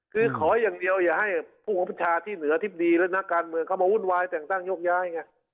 คือขออย่างเดียวอย่าให้ผู้ของประชาที่เหนืออธิบดีและนักการเมืองเข้ามาวุ่นวายแต่งตั้งยกย้ายไง